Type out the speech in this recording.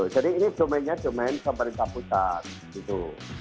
jadi ini domennya domen pemerintah pusat gitu